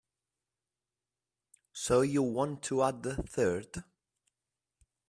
So you want to add a third?